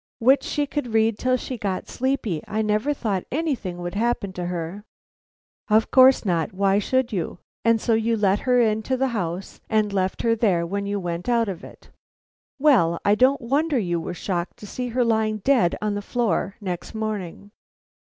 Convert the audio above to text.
"Which she could read till she got sleepy. I never thought anything would happen to her." "Of course not, why should you? And so you let her into the house and left her there when you went out of it? Well, I don't wonder you were shocked to see her lying dead on the floor next morning."